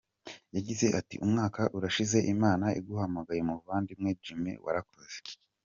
Yagize ati “Umwaka urashize Imana iguhamagaye muvandimwe Jimmy warakoze pe.